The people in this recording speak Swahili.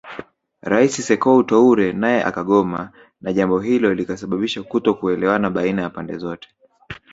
Rais Sekou Toure naye akagoma na jambo hilo likasababisha kutokuelewana baina ya pande zote